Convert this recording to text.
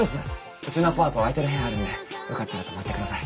うちのアパート空いてる部屋あるんでよかったら泊まって下さい。